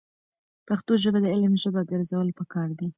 پښتو ژبه د علم ژبه ګرځول پکار دي.